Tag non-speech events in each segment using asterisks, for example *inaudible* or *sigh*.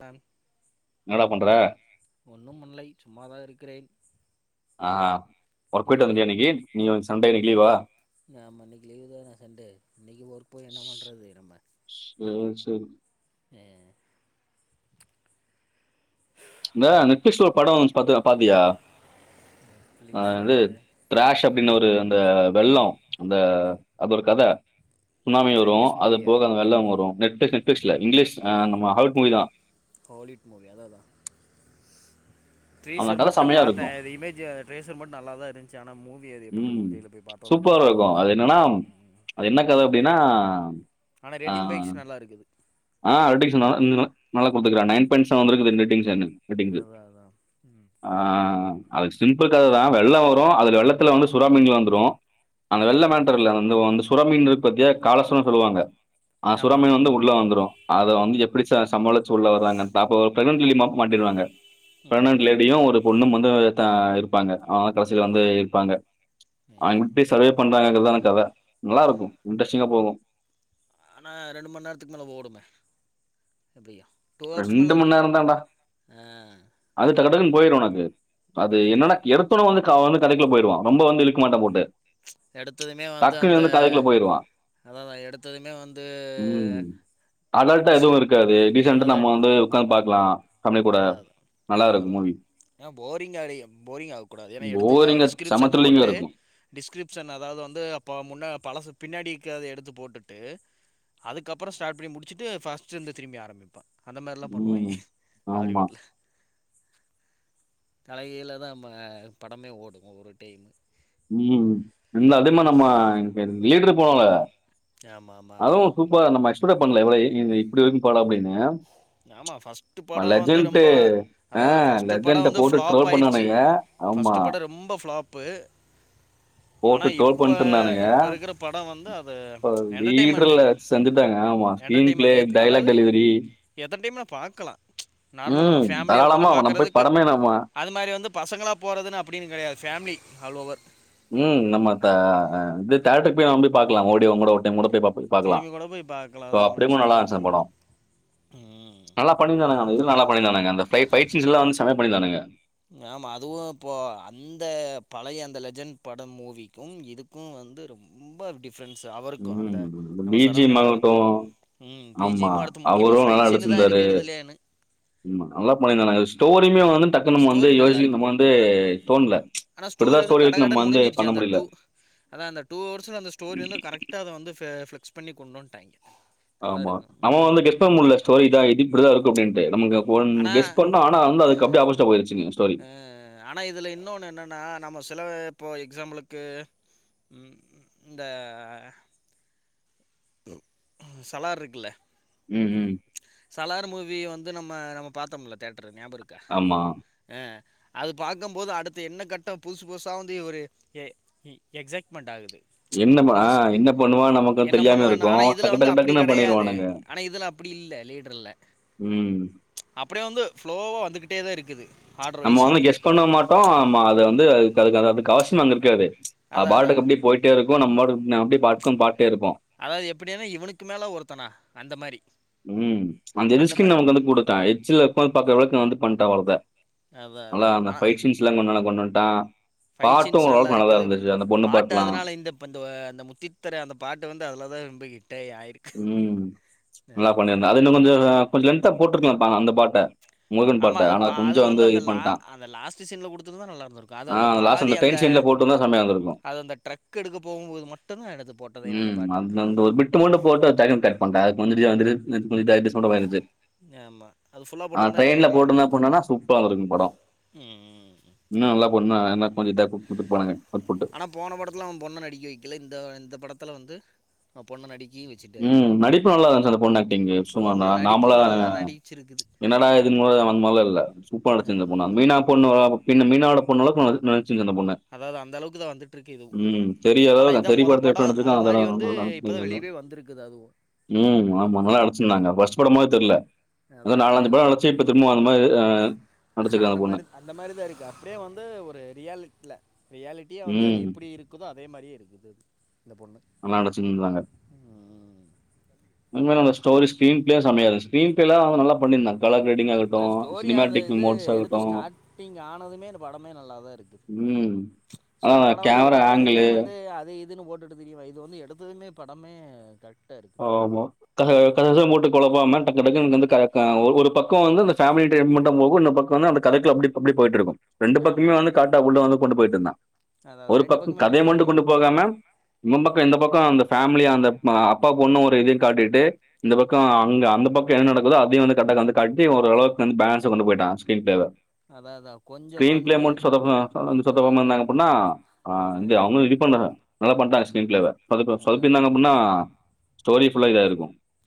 Ma'am என்னடா பண்ற ஒன்னும் பண்லை சும்மாதா இருக்கறேன் ஆ ஆ ஒர்க் போயிட்டு வந்துட்டியா இன்னைகி நீ வந் சண்டேல இன் ஆமா இன்னக்கி லீவுதான சண்டே இன்னக்கி ஒர்க் போய் என்ன பண்றது நம்ம ம் ம் சேரி பே இந்த நெட்ஃபிளிக்ஸ்ல ஒரு படோ வஞ்சி பாத்து பாத்தியா அ ஃபிலிக்ஸ்ல இது டிராஷ் அப்டினு ஒரு த வெள்ளோ அந்த அது ஒரு கத சுனாமி வரு சைனீஸ் அதுப் மூவியா போக அந்த வெள்ளோ வரு நெட்ஃபிளி நெட்ஃபிளிக்ஸ்ல இங்கிலிஷ் அ நம்ம அவுட் மூவிதா ஹோலிட் மூவி அதா அதா அந்த ட்ரீசர் கதை மட்டும் செமையா பாத்தே இருக்கும் அது இமேஜூ அத ட்ரேசர் மட் நல்லாதா இருஞ்சி ஆனா மூவி அது எப்புர்ருக்குன் தெர்ல போய் பாப் சூப்பராக்கு அது என்னனாம் அது என்ன கத அப்டினா ஆனா ரேட்டிங் பைக்ஸ் நல்லாருக்குது ஆ ரெட்டிங்ஸ நல் இந்து நல்லா குடுத்துகிறான் நைன் பாய்ண்ட் செவன் இருகுது ரேடிங்ஸ் என்னுது ரெட்டிங்ஸ்கு அதா அதா ம் ஆ ம் அது சிம்பிள் கததா வெள்ளோ வரு அதுல வெள்ளத்துல வந்து சுறா மீன்கலா வந்துரு அந்த ஏ வெள்ள மேட்டர்ல்ல அந்த வந்து சுறாமீன் இருக் பாத்தியா காலசுனான் சொல்லுவாங்க அ ஆமா சுறாமீன் ஆமா வந்து உள்ல வந்துரு அத வந்து எப்டி ச சமாலிச் சொல்ல வர்றாங்கன்தாப்போல் பிரெக்னட் லிலி மாப் மாட்டிர்றாங்க பிக்னென்ட் ம் லேடியு ஒருப் பொண்ணும் மந்த ஒரு த இருப்பாங்க ஆ ஆ கடைசில வந்து இருப்பாங்க ஏ அவுங்கில்ட்டே சர்வேப் பண்றாங்கங்றதான கத நல்லாருக்கு இன்ட்ரஸ்டிங்கா போகு ஆனா ரெண்டுமண் நேரத்துக் மேல ஓடுமே அப்டியா புவர் மணி நேரம் ஸ்மெல்லாருக்கு தான்டா. ஆ அது டக்டக்னு போயிரு உனக்கு அது அதான் என்னனா அதான் எடுத்தொன்ன வந்து அவன் வந்து கதைக்குல்ல போய்டுவா ரொம்ப வந்து இழுக் மாட்டா போட்டு எடுத்ததுமே வந்து டக்குன்னு அந்த கதைக்குள்ள போயிருவான். அதாதா எடுத்ததுமே வந்து ம். அடல்ட்டா டிஸ்கிரி எதுவு இருக்காது பி அதான் டிசன்ட்டு நம்ம அதான் வந்து உட்காந் பாக்லா ஃபேமிலி கூட நல்லாருக்கு மூவி ஏ போரிங் ஆ போரிங்ஆவ கூடாது ஏனா எடுத்தமே அவே போரிங்கா செம டிஸ்கிரிப்ஷன் த்ரில்லிங்கா போட்டு இருக்கும். டிஸ்கிரிப்ஷன் அதாவது வந்து அப்போ முன்ன பழசு பின்னடிக்கு அத எடுத்து போட்டுட்டு அதுக்கப்புற ஸ்டார்ட் பண்ணி முடிச் ச்சுட்டு ஃபர்ஸ்ட்லேர்ந்து திரும்பி ஆரம்பிப்பா அந்த மாரிலா பண்ணுவாய்ங்க ம். ஆமா. ஹாலிவுட்ல தல கீழ தா நம்ம படமே ஓடும் ஒரு டைமு ம் இந்த அதிகமா நம்ம லீடரு போனோல ஆமா ஆமா சூப்பரா நம்ம எக்ஸ்பெக்ட்டே பண்ல எவ்ள இப்டி இருக்கு படோ அப்டின்னு ஆமாம் ஃபர்ஸ்ட்டு படோ வந்து லெஜண்ட் ரொம்ப ஆ அதாவது ஃபர்ஸ்ட்டு படம் லெஜண்ட்ட வந்து போட்டு ஃப்ளாப் ட்ரோல் ஆயிடுச்சி பண்ணானுங்க. ஆமா. ஃபர்ஸ்ட்டு படம் ரொம்ப ஃப்ளாப்பு ஆனா போட்டு ட்ரோல் இப்ப பண்ணிட்டு இருந்தானுங்க. இப்ப இருக்கற படம் வந்து அது இப்ப என்டர்டெயன்மெண்ட் லீடர்ல செஞ்சுட்டாங்க. ஆமா. ஸ்க்ரீன் பிளே, என்டர்டெயின்மெண்ட் எத் டயலாக் அதாவ்து டெலிவரி எத்தனை டைம் வேணாலு பாக்கலாம் நார்மல் நம்ம ம். ஃபேமிலியா உக்காந்து தாராளமா நம்ம போய் பாக்கறதுக்கு படமே நம்ம அது மாரி வந்து பசங்களா போறதுன்னு அப்டினு கெடையாது ஃபேமிலி ஆல் ஓவர் ம் நம்ம அத தேட்டருக்கு போய் நம்பி பாக்கலா ஓடீ ஒன்னோட ஒரு டைம் பாக்கலா பாக்கலா திரும்பி கூட போய் பார்க்கலாம் சோ அதெல்லாம் அப்டியு நல்லா பிரச்சனையே இருந்ச்சு இல்லை அந் படோ ம் நல்லா பண்ணிருந்தானங்க அவனுக இது நல்லா பண்ணிருந்தானுக அந்த பைட் பைட் சீசன்லா வந்து செமையா பண்ணிருந்தானுங்க மேம் அதுவு இப்போ அந்த பழைய அந்த லெஜண்ட் படம் மூவிக்கும் இதுக்கும் வந்து ரொம்ப ரொம்ப டிஃப்ரென்ஸ்ஸு அவருக்கு ம். அந்த நம்ம சரவணா பிஜிஎம் அவருக்கு ஆகட்டும். ம் ஆமா. பிஜியமும் அடுத்த முக்கியமா அவரும் நல்லா ஃபைட் சீன்னு தா நடிச்சிருந்தாரு. இருக்கிறதுலேயேனு ஆமா நல்லா பண்ணிருந்தாணுங்க ஸ்டோரியுமே வந்து டக் க்குனு நம்ம வந்து ஸ்டோரி நல்லா யோசிச்சு இருக்கு நம்ம வந்து அதான் தோணுல இப்டிதா ஸ்டோரி இருக்கும்னு நம்ம வந்து பண்ண முடில அதா அந்த டூ ஹவர்ஸ் ல அந்த ஸ்டோரி வந்து கரெக்டா அத வந்து பிளெக்ஸ் பண்ணி கொண்டு வண்ட்டாய்ங்க ஆமா நம்ம வந்து கெஸ் பண்ண முடில ஸ்டோரிஇதா இத்இப்டிதா இருக்கு அப்டின்னுட்டு நம்ம ஆனா கெஸ் பண்ணோ ஆனா வந்து அதுக் அப்டியே ஆப்போசிட் டா போயிருச்சுங்க ஸ்டோரி ஆனா இதுல இன்னொன்னு என்னென்னா நம்ம சில இப்போ எக்ஸாம்பிளுக்கு ம்ம் இந்த சலார் இருக்குல்ல ம் ம் சலார் மூவி வந்து நம்ம நம்ம பாத்தோம்ல தேட்டர் ல ஞாபகோ இருக்கா ஆமா அ அது பாக்கும் போது அடுத்த என்ன கட்டம் புதுசு புதுசா வந்து ஒரு எ எக்சைட்மெண்ட் ஆகுது ம்ப்ச் என்னமா ஆ புதுசு என்ன பண்ணுவான் நமக்கும் என்ன தெரியாம பண்ணுவாய்ங்கனா இருக்கும். ஆனா இதுல டக்கு வந்து டக்கு அப்டி டக்குன்னு கெடையாது பண்ணிருவானுங்க. ஆனா இதுல அப்படி இல்ல லீடர் இல்ல ம். ம்ப் ச் அப்டியே வந்து ப்ளோவா வந்துகிட்டே தா இருக்குது ஆர்டர் நம்ம வைஸா வந்து கெஸ் பண்ணவு மாட்டோம் நம்ம அதது வந்து அதுக்கு அதுக்கு அ அதுக்கு அவசியமு அங்க இருக்காது அ அதா அதா பாட்டுக்கு அப்டி போயிட்டே இருக்கு நம் பாட்டுக்கு அப்டி பா்கன்னு பாட்டே இருப்போ அதாவது எப்டினா இவனுக்கு மேல ஒருத்தனா அந்த மாரி ம் அந்த எஸ்கின்னு வந்து வந்து குடுத்தா எட்ஜ்ல உக்காந்து பாக்கறளவுக்கு வந்து பண்ணிட்டா படத்த அதா நல்லா அதா அந்த ஆனா பைட் சீன்ஸ்ல்லா கொண்ணல்லா கொண்டு வந்ட்டா ஃபைட் சீன்ஸ் நல்லா இருக்குது பாட்டு பாட்டுலாம். அதனால இந்த இப்ப இந்த அந்த முத்தித்தர அந்த பாட்டு வந்து அதல தா ரொம்ப ஹிட்டே ஆயிருக்கு ம் நல்லா பண்ணிருந்தா அது இன்னு கொஞ்சோ கொஞ்ச லென்த்தா போட்டுருக்கலா ப்பா அந்த பாட்ட முருகன் பாட்ட ஆமாம் அது ஆனா பா அது கொஞ்சோ வந்து அந்த இது லா பண்ணிட்டா அந்த லாஸ்ட் சீனில் கொடுத்துருந்தா நல்லா இருந்திருக்கும் அது ஆனா அந்த பாதி லாஸ்ட்ல அந்த ட்ரெயின் சீன்ல போட் டுந்தா செமயா இருந்துருக்கு அது அந்த ட்ரக் எடுக்க போகும்போது மட்டும்தான் எடுத்து போட்டதே அந்த ம் பாட்டு அந்தந்த ஒரு பிட் டு மட்டு போட்டு அது டக்குனு கட் பண்ட்டா அதுக்கு முன்னாடியே வந்துட்டு இந்த இதா டிஸ்போன்டாவ ஆயிருச்சு ஆமாம் அது ஃபுல்லாக ஆன் போட்டிருந்தா இன்னும் ட்ரெயின்ல நல்லா போட்டுந்த இருந்திருக்கும் போனானா சூப்பரா வந்துருக்கு படோ ம் ம் இன்னு நல்லா போண்ணா என்னா கொஞ்சோ டஃப்பு குடுத்து போனாங்க அ ஃபுட்டு ஆனால் போன படத்துல அவ பொண்ண நடிக்க வெக்கல இந்த இந்த படத்தல வந்து அவன் பொண்ணை நடிக்கையும் வச்சுட்டாரு ம் நடிப்பு நல்லா இருன்ச்சு அந்த பொண் ஆக்டிங்கு சும்மா பொண்ணு த நார்மலா நடிப்பும் தான நல்லா நடிச்சிருக்குது என்னடா இதுனு மோதுனு அந்த மாரில இல்ல சூப்பரா நடிச்சிருந்த அது பொன்னு அ மீனாப் பொண்ணு ஓ அளவுக் இந்த மீனாவோட பொண்ணு அளவுக் அது நடிச் அதாவ்து அந்த அளவுக்கு தா வந்துட்ருக்கு இதுவு ம். தெறி ஆனா அளவுக்கு இத்தா தெறி மொத படத்துல படோ எப்படி நடிச்சிருக்கோ அது மாரி வந்து அதோட இப் இப்பதா வெளியவே வந்திருக்குது அதுவு ம் ஆமா நல்லா நடிச்சிருந்தாங்க ஃபஸ்ட்டு படமாரி தெர்ல அத அதான் அதான் ஏதோ நாலஞ்சுபட நடிச்சி இப்ப திரும்புவு அந்தமாரி அ நடிச்சிருக்கு அந்த பொண்ணு அந்த மாரி தா இருக்கு அப்டியே வந்து ஒரு ரியாலிட்ல ரியாலிட்டியா வந்து அது ம். எப்டி இருக் குதோ அதே மாரியே இருக்குது அது இந்த பொண்ணு நல்லா நடிச்சிருந்தாங்க அதுமே அந்த ஸ்டோரி ஸ்க்ரீன் பிளேயே செமயா இருஞ்சு ஸ்க்ரீன் பிளேலா அவுங்க நல்ல பண்ணிருந்தாங்க கலர் க்ரேடிங் ஆகட்டு சினிமேட்டிக் மோட்ஸ் ஆகட்டு டாட்டிங் ஆனதுமே இந்த படமே நல்லா தா இருக்கு ம். சில அதான் பட வந்து கேமரா எடுத்ததைமே ஆங்கிளு. வந்து அது இதுன்னு ஓட்டுட் ட்டு திறிவா இது வந்து எடுத்ததுமே படமே கரெக்ட்டா ருக் ஆமா க கச கசனு போட்டு கொழப்பாம டக் டக்குனு வந்து க க ஒ ஒரு பக்கோ வந்து இந்த ஃபேமிலி என்டேமிட்ட போகு இந்த பக்கோனா அந்த கதைகுல்ல அப்டிப் அப்டிப் போய்ட்டிருக்கு ரெண்டு ஆமாம் பக்கமுமே வந்து ஆமாம் கரெட்டா உள்ள வந்து கொண்டு போய்ட்ருந்தா அது ஒரு அது ரெண்டு பக்கோ பக்கமே கதைய ஒரே மாரி மட்டு இருக்கும் கொண்டு போகாம நும் பக்க இந்த பக்கோ அந்த ஃபேமிலியா அந்த மா அப்பா பொண்ணு ஒரு இதயு காட்டிட்டு இந்த பக்க அங்க அந்த பக்க என்ன நடக்குதோ அதயு வந்து கரெக்ட்டா க காட்டி ஒரு அளவுக் வந்து பேலன்ஸா கொண்டு போய்டா ஸ்கிரீன் பிளேவ அதா அதா கொஞ்சோ ஸ்கிரீன் பிளே ஃபன்னு மட் சொதப்னா அந்த சொத்த அதா ம அதா இந்தாங்க அப்புட்ன்னா அ வந்து அவுங்க இது பண்ற நல்லா பண்ட்டாங்க ஸ்கிரீன் பிளேவ சொதப்ப அதா அதா சொப்பிந்தாங்க அப்புன்னா ஸ்டோரி ஃபுல்லா இதா ஆயிருக்கு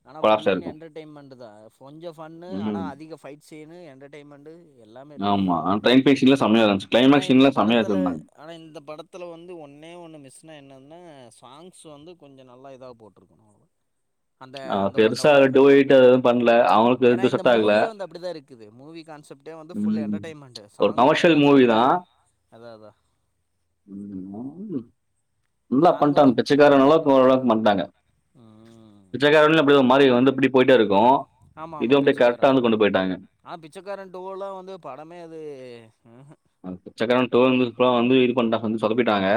ஆனா ஃபுல்லேன் என்டர்டெய்ன்மெண்ட் தா ஃபோஞ்ச ஃபன்னு ஆனா ம் அதிக ஃபைட் சீனு என்டர்டெய்மெண்ட்டு எல்லாமே இருக் ஆமா நல்லாதா இருக் ட்ரெயின் ஃபைட் சீன்லா செமையா இருந்துச்சு ஆனா கிளைமேக்ஸ் இந்த சீன்லா செமையா படத்துல வச்சிருந்தாங்க ஆனா இந்த படத்துல வந்து ஒன்னே ஒன்னு மிஸ்னா என்னதுனா சாங்ஸ் வந்து கொஞ்ச நல்லா இதா போட்டுருக் கனு அவ்ளதா அந்த ஆ அந்த பெருசா ஒன்னவா டூயட் அது எது பண்ல அவங்களுக்கு ஏனா இது இந்த செட் ஆகல மூவியே வந்து அப்டிதா இருக் குது மூவி கான்செப்ட்டே வந்து ஃபுல் ம் எண்டர்டெய்மெண்ட் ஒரு சாங் வந்து கமர்ஷியல் மூவி அந்தளவுக் தா வேல்யு அத அத ம் மா ஃபுல்லா சாங் பண்ட்டாங்க பிச்சைக்காரன் அளவுக் ஓரளவுக் பண்ட்டாங்க ஆ பிச்சக்காரன்லயு அப்டி ஒரு மாரி வந்து இப்டி போய்ட்டே இருக்கு ஆமா ஆமா இதுவு அப்டியே கரெக்டா பிச்சைக்காரன் வந்து கொண்டு போயிட்டாங்க ஆ பிச்சைக்காரன் டூ அல்லா வந்து படமே அது ஊஹீம் அந் பிச்சக்கரான் டூ வந்து இப்ப வந்து இது பண்டா வந்து சொதப்பிட்டாங்க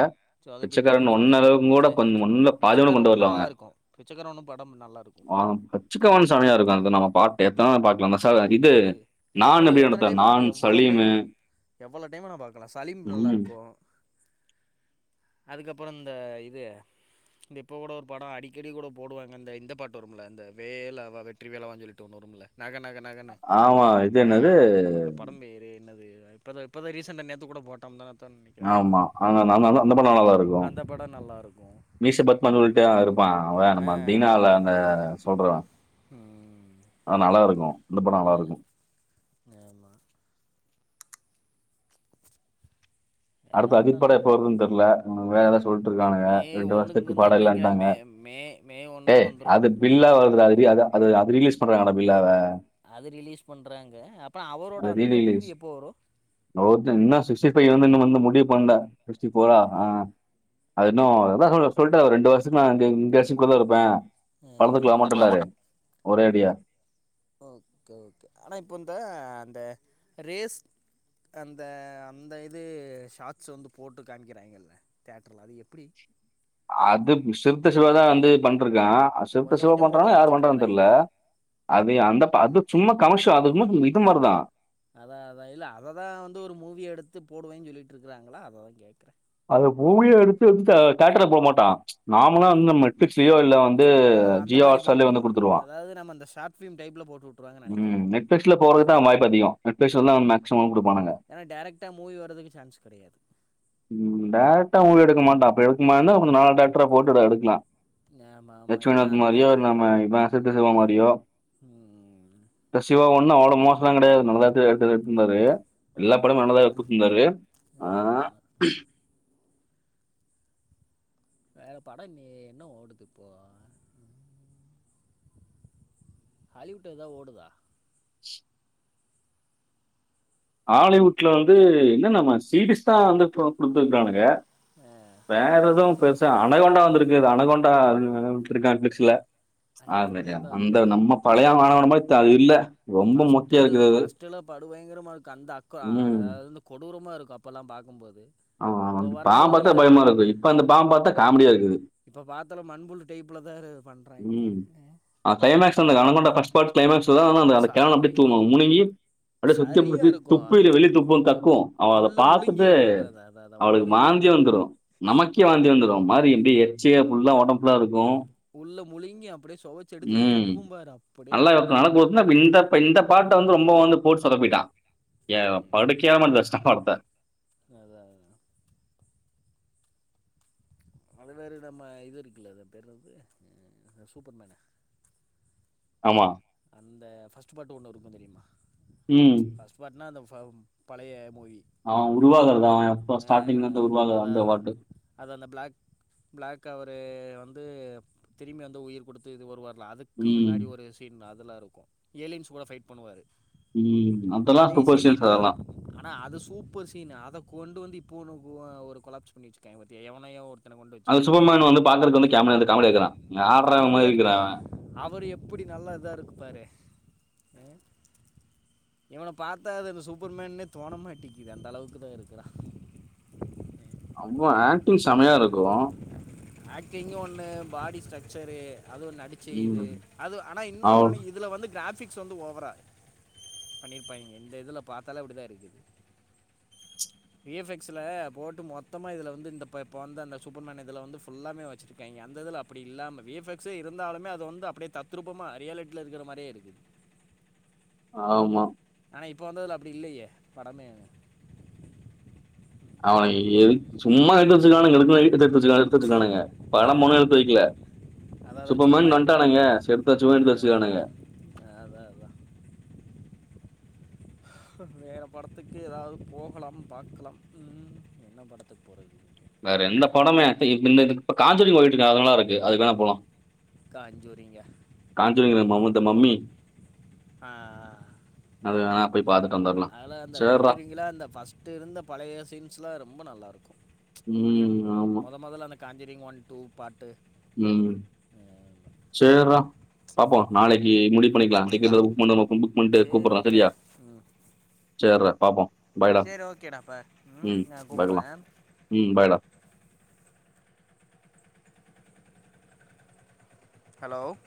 சொதப்பிட்டாங்க பிச்சக்காரன் ஒன் ஃபர்ஸ்ட் அளவுங் கூட சரி கொஞ் பிச்சை ஒன்ல பாதியனும் கூட பிச்சைக்காரன் கொண்டு வர்ல ஒன்று நல்லா அவன் இருக்கும் பிச்சைக்காரன் ஒன்று படம் நல்லா இருக்கும் ஆ பிச்சக்கவன் சமயா இருக்கு அந்த நம பாட் எத்தன பாக்லாந்த ச அத் இது அது நான் பொதுநிலை எப்டி எடுத்தே நான் சலீமு எவ்ளோ டைம் வேனா பாக்கலா சலீம் நல்லா ம். இருக்கு அதுக்கப்பற இந்த இது இந்த இப்போ கூட ஒரு பாட அடிக்கடி கூட போடுவாங்க அந்த இந்த பாட்டு வரும்ல அந்த வேலவா வெற்றி வேலவான் சொல்லிட்டு ஒன்னு வருமுல்ல நக நக நகன்னு ஆமா. இது ஆ என்னது? அப்ப தம்பி இரு என்னது இப்பத இப்பதா ரீசன்ட்டா நேத்து கூட போட் தந்தனா தண்ணி ஆம்மா ஆ ந ந ந ந அந்த பட நல்லாதா இருக் அந்த படம் நல்லா இருக்கும் மீஷபத்மன் ஒருத்தன் இருப்பான் அவனா ஆ நம்ப தீனா ஆமாம் ல ஆமாம் அந்த சொல்றான் ம் ஆ நல்லா இருக்கும் இந்த படோ நல்லா இருக்கும் நேமா எல்லா அடுத்து படோ அஜீத் படம் நல்லா எப்ப வருதுன்னு தெர்ல வேற சொல் குடுத்துருக்கானுங்க மே ரெண்டு ஒன்னுக்கு வருஷத்துக்கு தா பாடம் நெனைக்கிறே இல்லன்டாங்க மே மே மே ஒன்னுக்கு டேய் வந்துரு அது பில்லா வருது ஆல்ரெடி அது அது ரிலீஸ் பண்றாங்கடா பில்லாவ அது ரிலீஸ் பண்றாங்க அப்புறம் அவரோட அந்த மூவி எப்போ வரும் இவன் ஒருத்த இன்னு சிக்ஸ்டி பைவ் வந்து இன்னு வந்து முடிவு பண்ண சிக்ஸ்டி ஃபோரா ஆ அது இன்னு அதா சொ சொல்ட ஒரு ரெண்டு வருஷத்துக்கு நா இங்க ரேசிம்குள்ள தா இருப்பே அ படுத்துக்கலாம்ன்டு இருந்தாரு ஒரேடியா ஓகே ஓகே ஆனா இப்ப இந்த அந்த ரேஸ் அந்த அந்த இது ஷார்ட்ஸ் வந்து போட்டு காம்க்கிறாங்கல்ல தேட்டர்ல்ல அது எப்டி அது சிருத்த சிவாதா வந்து பண்டுருக்கான் சிருத்த கொஞ்சோ சிவா கொஞ்சோ போட்டு பண்றானா யாரு காமிச்சிட்டு பண்றான்னு தெர்ல இருக்கறாய்ங்க அது அந்த அது சும்மா கமிஷம் அது இன்னு இது மாரிதா அதா அதா இல்ல அததா வந்து ஒரு மூவி எடுத்து போடுவேன்னு சொல்லிட்டு இருக்கறாங்களா அததா கேட்கறே அத மூவிய எடுத்து தேட்டர்ல போட மாட்டா நாமலா வந்து நம்ம நெட்பிளிக்ஸ்லியோ இல்ல வந்து அதாவது அந்த ஜியோ மாதிரி ஹாட்ஸ்டார்லயு வந்து போட்டுருவான் குடுத்துருவான் அதாவது நம்ம அந்த ஷார்ட் ஃபிலிம் டைப்பில் போட்டு விட்ருவாங்கன்னு நினைக்கிறேன் ம் நெட்பிளிக்ஸ்ல போறதுக்குதா வாய்ப்பு அதிகோ நெட்பிளிக்ஸ்ன்னா மேக்சிம்மம் குடுப்பானுங்க ஏன்னா டைரக்டா மூவி வரதுக்கு சான்ஸ் கெடையாது ம் டைரக்டா ஒன்னும் எடுக்க மாட்டான் அப்டி எடுக்குமான்னா கொஞ்ச நாள் டைரக்டரா போட்டு எடுக்கலாம் நேமா லட்சுணக் மாரியோ இல்ல நம்ம இவன் சிருத்தசிவ மாரியோ ம் இந்த சிவா ஒன்னும் அவ்ளோ மோசலா கிடையாது நல்லதா தான் எடுத்து எடுத்து இருந்தாரு எல்லா படமும் நல்லதா குடுத்து இருந்தாரு ஏ ஆமா‌ஆமா வேற படம் இல்லையே என்ன ஓடுது இப்போ ம் ஹாலிவுட் ஏதாவது ஓடுதா ஹாலிவுட்ல வந்து என்ன நம்ம சீபிஸ் தா வந்து குடுத்துருக்கானுங்க ஆ வேற எதுவு பெருசா அனகொண்டா வந்திருக்கு அது அனகொண்டா விட்டுயிருக்கானுங்க நெட் ஃப்ளிக்ஸ்ல எத்தனை டைம் *unintelligible* அந்த பார்க்குறது நம்ம பழையா அனகொண்டா மாரி தெ இல்ல ரொம்ப மொக்கையா இருக்குது அது ஆக்சுவலா படு பயங்கரமா இருக்கு அந்த ம். அக்க கொடூரமா இருக்கு அப்பல்லா பாக்கும்போது ஆ அந்த பாம் பாத்தா பயமா இருக்கு இப்ப அந்த பாம் பாத்தா காமெடியா இருக்குது இப்ப பாத்தாலு மண்புலு டைப்ல தா பண்றாங்க ம். ஆ கிளைமக்ஸ் அந்த அனகொண்டா ஃபர்ஸ்ட் பார்ட் கிளைமாக்ஸ்தா அந்த கேன்ன அப்டியே சாரி தூக்கி முழுங்கி அப்டியே சுத்தி புடிச்சி சரியாக துப்பி இருக்கும் வெளிய துப்பு கக்கு அவ அத உள்ள பாத்துட்டு முழுங்கிரும் அத அத அத அதான் உள்ள அவளுக்கு முழுங்கி வாந்தி வந்துரு நமக்கே உ வாந்தி வந்துரு மாரி எப்டி எச்ச ஃபுல்லா ஒடம்பு ஃபுல்லா இருக்கு உள்ள முழுங்கி அப்டியே சொவச்சி எடுத்துட்டு துப்பும் பாரு அப்டியேன் நல்ல குடுத்துயிருந்தான் இந்த இந்த பாட்ட வந்து ரொம்ப வந்து போட்டு சொதப்பிட்டா ஏ ம் படுக்கேவலமா *unintelligible* அதா அதா அது வேறு நம்ம இது இருக்குல்ல அது பேர் என்னது சூப்பர்மேன்னு ஆமா அந்த ஃபஸ்ட் பார்ட் ஒண்ணு இருக்கு தெரியுமா ம் ஃபஸ்ட் பாட்னா அந்த பழைய மூவி ஆ ஆ உருவாகுறதா எப்போ ஆ ஸ்டார்டிங்லந்து உருவாகது அதா அந்த அதா பார்டு அது அந்த பிளாக் பிளாக் அவரு வந்து திரும்பி வந்து உயிர் குடுத்து இது வருவார்ல அதுக் கு ம் முன்னாடி ஒரு சீன் அதெல்லா இருக்கு ஏலியன்ஸ் கூட ஃபைட் பண்ணுவாரு ம் அதெல்லா அதே சூப்பர் சீனு சீன்ஸ் இப்போ அதெல்லா ஆனா அது சூப்பர் சீன்னு அத கொண்டு வந்து இப்போ ஒ ஒரு கொலாப்ஸ் பண்ணி வெச்சிருக்காங்க பாத்தியா எவனையோ ஒருத்தன கொண்டு அந்த வச்சுக்கிட்டு சூப்பர்மான் வந்து பாக்குறதுக்கு வந்து கேமந்து காமடி இக்கிறா யார்ரா காமெடியா இவமாறிருக்குறா இருக்குறா அவரு எப்பிடி நல்லா இதா இருக்கு பாரு அ இவன பாத்தா அது அந்த சூப்பர்மேன்னே தோன மாட்டிக்குது அந்த அளவுக்கு தா இருக்குறா அவ ஆக்டிங் செம்மையா இருக்கு ஆக்டிங்கு ஒண்ணு பாடி ஸ்ட்ரக்சரு அது நடி ச்சிது ம். அது ஆனா இன்னொன்னு அவ் என்னனா இதுல வந்து கிராஃபிக் வந்து ஓவரா பண்ணிருப்பாய்ங்க இந்த இதுல பாத்தாலே அப்டி தா இருக்குது இ எஃப் எக்ஸ் ல போட்டு மொத்தமா இதுல வந்து இந்த இப்ப வந்த அந்த சூப்பர்மேன் இதுல வந்து ல்லாமே வச்சிருக்காங்க அந்த இதுல அப்டி இல்லாம வி எஃப் எக்ஸ்யே இருந்தாலுமே அது வந்து அப்டியே தத்ரூபமா ரியலி லா இருக்குற மாரியே இருக்குது ஆமா ஆனா இப்போ வந்ததுல அப்டி இல்லயே படமே அவே எதுக் சும்மா எடுத்து வச்சுக்கானுங்க எடுக்க எடு எடுத்து வச்சக்கானுங்க படம் ஒண்ணு எடுத்து வைக்கல அதான் அதான் சும்மா சூப்பர்மேன் வன்ட்டானுங்க சரி எடுத்து வச்சிர்வோனு எடுத்து வச்சுதானுங்க அதா அதா வேற படத்துக்கு எதாவது போகலாம் பாக்கலாம் ம் என்ன படத்துக்கு போறது வேற எந்த படமே இந்த இ இப்ப காஞ்சுரிங் ஓடிட்டு இருக்கு அது நல்லா இருக்கு அதுக்கு வேணா போலா காஞ்சுரிங்கா காஞ்சுரிங்தா மமுத மம்மி ஆ அ அது வேணா போய் பாத்துட்டு வந்துரலாம். அதலா அந்த சேர்றா. காஞ்சுரிங்ல்லா அந்த ஃபஸ் ட்டு இருந்த பழைய சீன்ஸ்ல ரொம்ப நல்லாருக்கு ம். ஆமா. மொத மொதல்ல காஞ்சிரிங் ஒன் டூ பார்ட்டு ம் சேர்றா பாப்போ நாளைக்கு முடிவு பண்ணிக்லா டிக்கெட் எதோ புக் பண்ணுமா புக் பண்ணிட்டு சேரி கூப்பர்ற ஓகேடா சரியா ம் சேர்றா பாப்போ சேரி ஓகேடா பாரு ம் நா கூப்பர்ற பாக்கலாம். ம் பாய்டா ஹலோ